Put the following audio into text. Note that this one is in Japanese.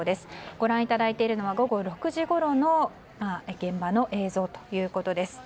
ご覧いただいているのは午後６時ごろの現場の映像です。